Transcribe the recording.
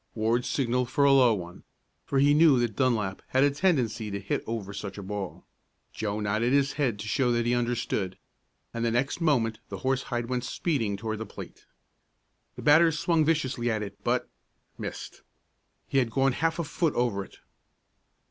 Ward signalled for a low one, for he knew that Dunlap had a tendency to hit over such a ball. Joe nodded his head to show that he understood, and the next moment the horsehide went speeding toward the plate. The batter swung viciously at it but missed. He had gone half a foot over it.